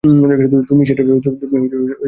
তুমি সেটা নিয়ে ভাবছো?